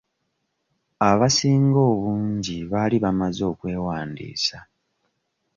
Abasinga obungi baali bamaze okwewandiisa.